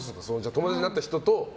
友達になった人と。